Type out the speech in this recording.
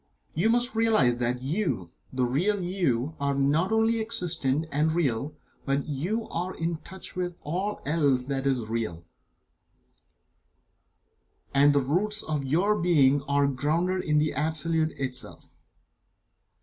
You must realize that you the real You are not only existent, and real, but that you are in touch with all else that is real, and that the roots of your being are grounded in the Absolute itself.